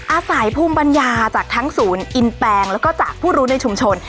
อาศัยภูมิปัญญาจากทั้งศูนย์อินแปงแล้วก็จากผู้รู้ในชุมชน